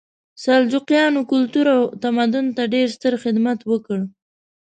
سلجوقیانو کلتور او تمدن ته ډېر ستر خدمت وکړ.